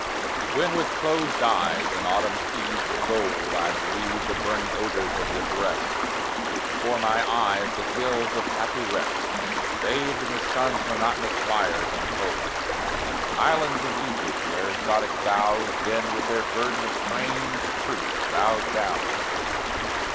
When with closed eyes in autumn's eves of gold I breathe the burning odours of your breast, Before my eyes the hills of happy rest Bathed in the sun's monotonous fires, unfold. Islands of Lethe where exotic boughs Bend with their burden of strange fruit bowed down.